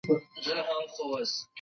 پاڼې خپلې اوښکې په پټه پاکې کړې.